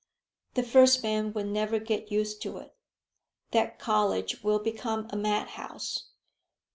"The first man will never get used to it. That college will become a madhouse.